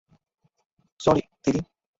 Sorry, দিদি।